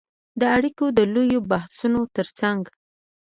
د اړیکو د لویو بحثونو ترڅنګ